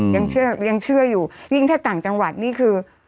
ยังเชื่ออยู่ยิ่งถ้าต่างจังหวัดนี่คือ